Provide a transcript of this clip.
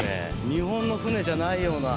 日本の船じゃないような。